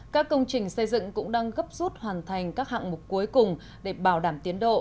các công trình xây dựng cũng đang gấp rút hoàn thành các hạng mục cuối cùng để bảo đảm tiến độ